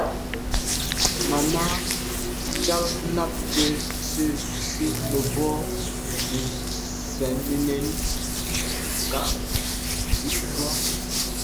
Màmá cák nâptə̄ tsə̂ cú mə̀bró nə̀ nɛ̌n cɑ̌k dʉ̀ vwá.